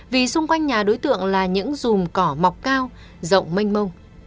vì xung quanh nhà đối tượng là những dùm cỏ mọc cao rộng mênh mông